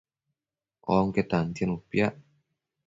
Onque tantianu piac